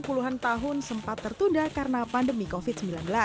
puluhan tahun sempat tertunda karena pandemi covid sembilan belas